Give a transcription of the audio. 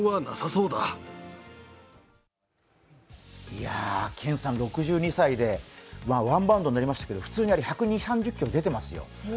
いやぁ、謙さん６２歳でワンバウンドになりましたけど、普通に１２０１３０キロ出てますよ。